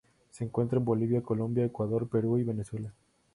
Se encuentra en Bolivia, Colombia, Ecuador, Perú, y Venezuela.